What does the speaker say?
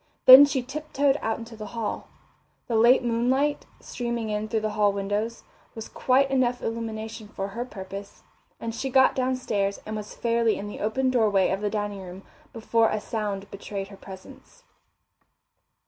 Then she tip toed out into the hall. The late moonlight, streaming in through the hall windows, was quite enough illumination for her purpose, and she got downstairs and was fairly in the open doorway of the dining room before a sound betrayed her presence.